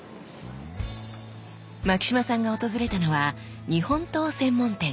牧島さんが訪れたのは日本刀専門店。